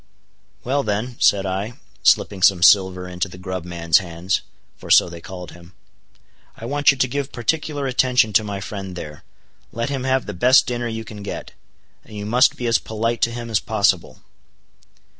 "Well then," said I, slipping some silver into the grub man's hands (for so they called him). "I want you to give particular attention to my friend there; let him have the best dinner you can get. And you must be as polite to him as possible."